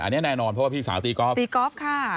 อันนี้แน่นอนเพราะว่าพี่สาวตีก๊อฟตีก๊อฟค่ะ